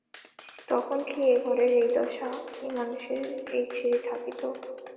তখন কি এ ঘরের এই দশা, এ মানুষের এই ছিরি থাকিত।